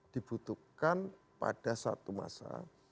dibutuhkan pada suatu masa